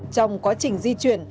trong quá trình di chuyển